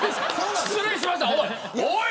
失礼しました、おい。